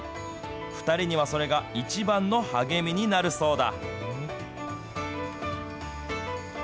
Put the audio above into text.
２人にはそれが一番の励みになるそうだ。